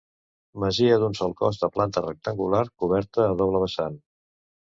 Masia d'un sol cos de planta rectangular, coberta a doble vessant.